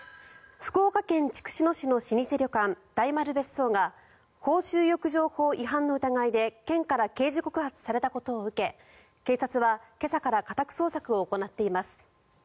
福岡県筑紫野市の老舗旅館、大丸別荘が公衆浴場法違反の疑いで県から刑事告発されたことを受け警察は、今朝から家宅捜索を行っています。